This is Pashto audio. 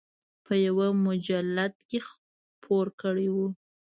په یوه مجلد کې خپور کړی و.